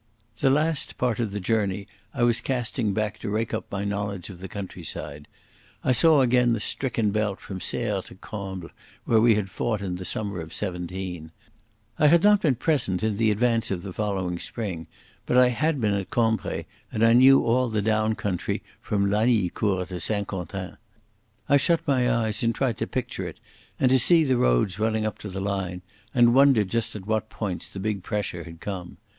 The last part of the journey I was casting back to rake up my knowledge of the countryside. I saw again the stricken belt from Serre to Combles where we had fought in the summer of '17. I had not been present in the advance of the following spring, but I had been at Cambrai and I knew all the down country from Lagnicourt to St Quentin. I shut my eyes and tried to picture it, and to see the roads running up to the line, and wondered just at what points the big pressure had come.